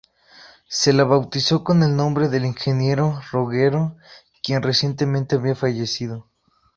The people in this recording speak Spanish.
Se la bautizó con el nombre del ingeniero Roggero quien recientemente había fallecido.